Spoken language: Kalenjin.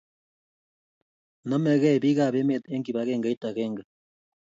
Nomekei bik ab emet eng kibangengeit agenge